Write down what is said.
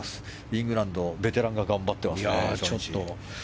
イングランドベテランが頑張ってますね。